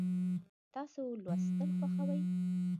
تاسو لوستل خوښوئ؟